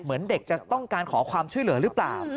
เหมือนเด็กจะต้องการขอความช่วยเหลือหรือเปล่า